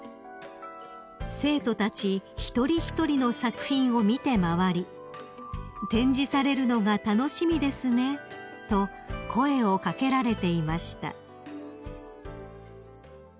［生徒たち一人一人の作品を見て回り「展示されるのが楽しみですね」と声を掛けられていました］